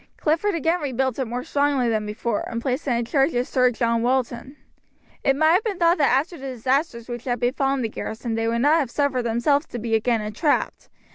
Clifford again rebuilt it more strongly than before, and placed it in charge of Sir John Walton. It might have been thought that after the disasters which had befallen the garrison they would not have suffered themselves to be again entrapped.